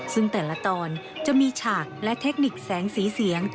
ซึ่งแต่ละตอนจะมีฉากและเทคนิคแสงสีเสียง